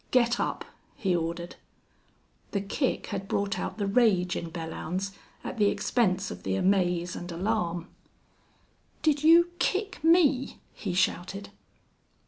"Get up!" he ordered. The kick had brought out the rage in Belllounds at the expense of the amaze and alarm. "Did you kick me?" he shouted.